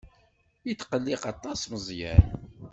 Yetqelliq aṭas Meẓyan.